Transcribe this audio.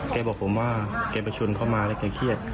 บอกผมว่าแกไปชนเขามาแล้วแกเครียด